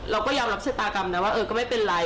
เราก็ยอมรับชะตากรรมนะว่าเออก็ไม่เป็นไร